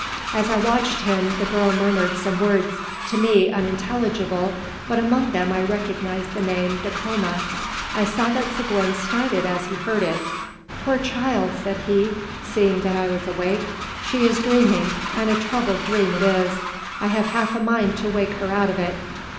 As I watched him, the girl murmured some words, to me unintelligible, but among them I recognised the name "Dacoma." I saw that Seguin started as he heard it. "Poor child!" said he, seeing that I was awake; "she is dreaming, and a troubled dream it is. I have half a mind to wake her out of it."